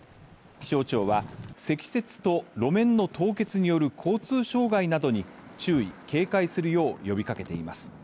気象庁は積雪と路面の凍結による交通障害などに注意・警戒するよう呼びかけています。